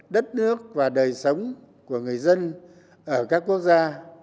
đất nước và đời sống của người dân ở các quốc gia